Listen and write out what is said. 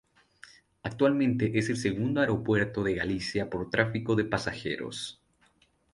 Actualmente es el segundo aeropuerto de Galicia por tráfico de pasajeros.